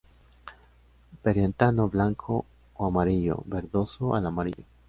Perianto blanco o amarillo verdoso al amarillo.